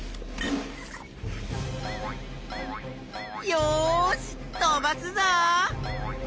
よし飛ばすぞ！